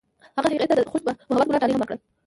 هغه هغې ته د خوښ محبت ګلان ډالۍ هم کړل.